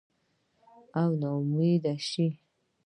او نا امیده شي